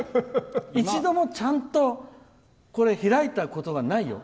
一度もちゃんとこれ開いたことがないよ。